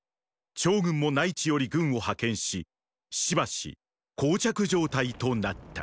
趙軍も内地より軍を派遣ししばし膠着状態となった。